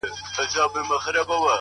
سر په سجدې نه راځي; عقل په توبې نه راځي;